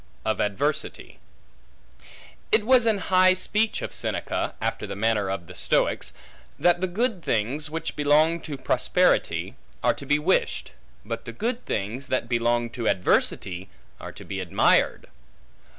Of Adversity IT WAS an high speech of Seneca (after the manner of the Stoics), that the good things, which belong to prosperity, are to be wished; but the good things, that belong to adversity, are to be admired.